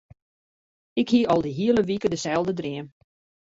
Ik hie al de hiele wike deselde dream.